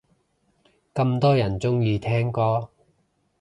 咁多人鍾意聽歌